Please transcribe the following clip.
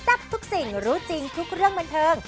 ทับทุกสิ่งรู้จริงทุกเรื่องบันเทิง